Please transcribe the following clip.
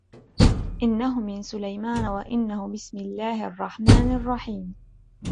إِنَّهُ مِنْ سُلَيْمَانَ وَإِنَّهُ بِسْمِ اللَّهِ الرَّحْمَنِ الرَّحِيمِ